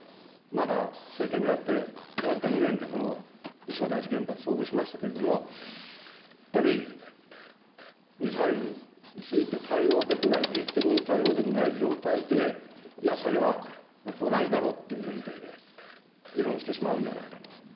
まだ政権になって僅か２年で、この福島第一原発、遭遇しましたけれども、やっぱりミサイルについて対応できない、技術的に対応できない状態でいや、それは来ないだろっていう前提で議論してしまうんじゃないかと。